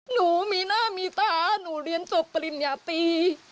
หนูมีหน้ามีตาหนูเรียนจบปริญญาตรี